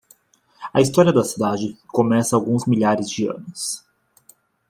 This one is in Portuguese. A história da cidade começa há alguns milhares de anos.